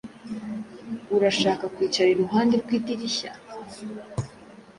Urashaka kwicara iruhande rw'idirishya?